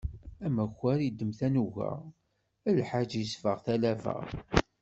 Amakar iddem tanuga, lḥaǧ isbeɣ talaba.